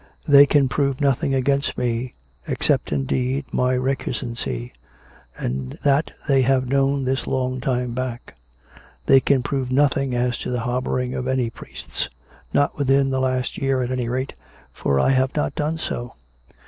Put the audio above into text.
They can prove nothing against me — except, in deed, my recusancy; and that they have known this long time back. They can prove nothing as to the harbouring of any priests — not within the last year, at any rate, for I have not done so.